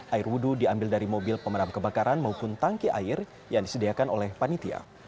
air wudhu diambil dari mobil pemadam kebakaran maupun tangki air yang disediakan oleh panitia